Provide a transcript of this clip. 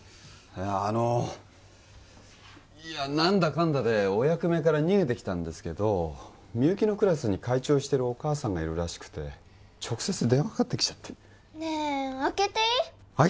あのいや何だかんだでお役目から逃げてきたんですけどみゆきのクラスに会長してるお母さんがいるらしくて直接電話かかってきちゃってねえ開けていい？